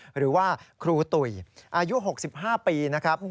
หรือว่าครูตุ๋ยอายุ๖๕ปีนะครับ